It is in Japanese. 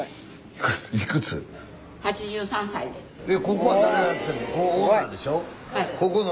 ここは誰がやってんの？